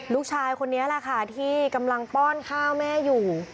ลูกชายคนนี้แหละค่ะที่กำลังป้อนข้าวแม่อยู่